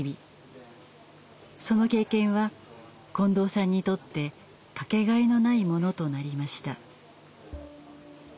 その経験は近藤さんにとって掛けがえのないものとなりました。